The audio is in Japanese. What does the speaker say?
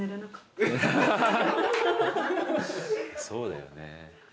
そうだよね。